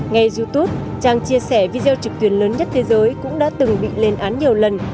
ngay youtube trang chia sẻ video trực tuyến lớn nhất thế giới cũng đã từng bị lên án nhiều lần